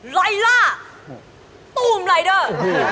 ไลล่าตูมรายเดอร์